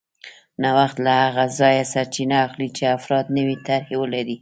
نوښت له هغه ځایه سرچینه اخلي چې افراد نوې طرحې ولري